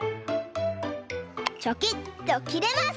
チョキッときれます！